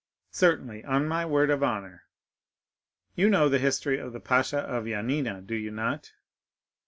"Certainly; on my word of honor." "You know the history of the Pasha of Yanina, do you not?"